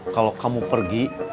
kalo kamu pergi